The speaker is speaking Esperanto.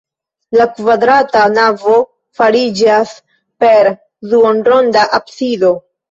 La kvadrata navo finiĝas per duonronda absido.